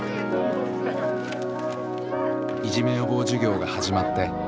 いじめ予防授業が始まって４か月。